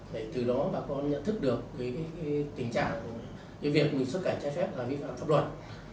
để từ đó bà con nhận thức được tình trạng việc mình xuất cảnh trái phép là vi phạm pháp luật